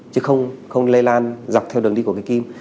chứ không lây lan dọc theo đường đi của người kim